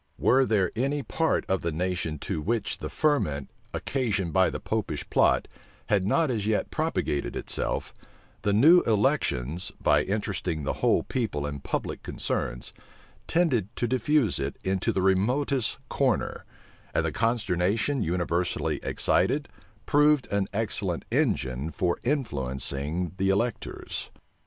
Were there any part of the nation to which the ferment, occasioned by the Popish plot, had not as yet propagated itself, the new elections, by interesting the whole people in public concerns, tended to diffuse it into the remotest corner; and the consternation universally excited proved an excellent engine for influencing the electors.